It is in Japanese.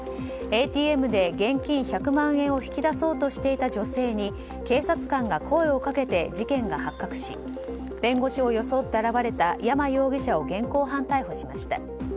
ＡＴＭで現金１００万円を引き出そうとしていた女性に警察官が声をかけて事件が発覚し弁護士を装って現れた山容疑者を現行犯逮捕しました。